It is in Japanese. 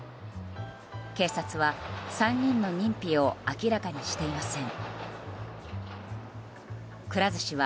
警察は３人の認否を明らかにしていません。